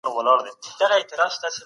جګړه سخته وه.